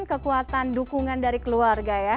kekuatan dukungan dari keluarga ya